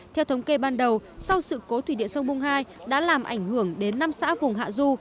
theo thống kê ban đầu sau sự cố thủy điện sông bung hai đã làm ảnh hưởng đến năm xã vùng hạ du